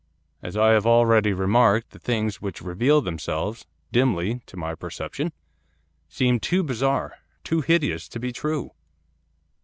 As I have already remarked, the things which revealed themselves, dimly, to my perception, seemed too bizarre, too hideous, to be true.